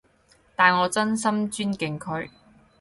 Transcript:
但我真心尊敬佢